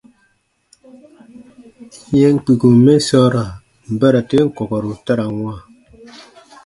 Yɛm kpikum mɛ sɔɔra bara ten kɔkɔru ta ra n wãa.